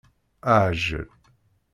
Aεjel